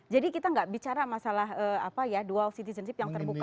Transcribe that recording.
jadi kita gak bicara masalah apa ya dual citizenship yang terbuka